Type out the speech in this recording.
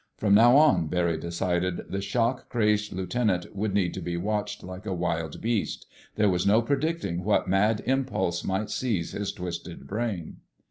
From now on, Barry decided, the shock crazed lieutenant would need to be watched like a wild beast. There was no predicting what mad impulse might seize his twisted brain.